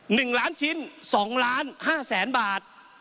หนึ่งล้านชิ้นสองล้านห้าแสนบาท